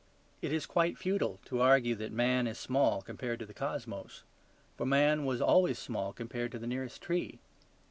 It is quite futile to argue that man is small compared to the cosmos; for man was always small compared to the nearest tree.